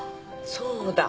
そうだ。